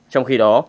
trong khi đó